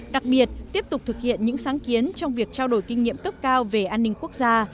đặc biệt tiếp tục thực hiện những sáng kiến trong việc trao đổi kinh nghiệm cấp cao về an ninh quốc gia